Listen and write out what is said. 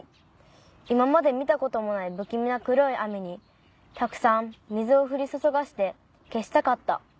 今まで見たこともない不気味な黒い雨にたくさん水を降り注がせて消したかった。